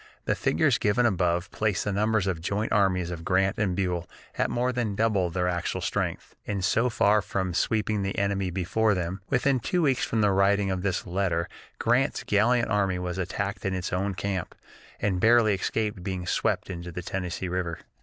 The figures given above place the numbers of the joint armies of Grant and Buell at more than double their actual strength. And so far from sweeping the enemy before them, within two weeks from the writing of this letter Grant's gallant army was attacked in its own camp, and barely escaped being swept into the Tennessee River.